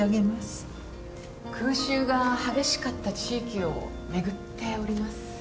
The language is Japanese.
空襲が激しかった地域を巡っております。